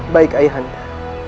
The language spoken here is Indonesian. baik ayah anda